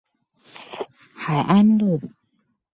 海安路